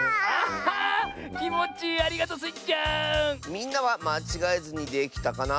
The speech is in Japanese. みんなはまちがえずにできたかな？